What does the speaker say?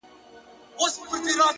تا په پنځه لوېشتو وړيو کي سيتار وتړی _